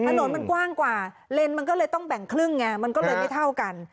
ถนนมันกว้างกว่าเลนมันก็เลยต้องแบ่งครึ่งไงมันก็เลยไม่เท่ากัน